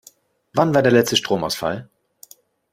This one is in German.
Wann war der letzte Stromausfall?